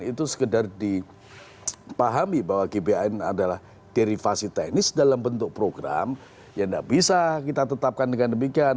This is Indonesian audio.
itu sekedar dipahami bahwa gbhn adalah derivasi teknis dalam bentuk program ya tidak bisa kita tetapkan dengan demikian